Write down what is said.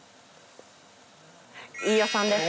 飯尾さんです！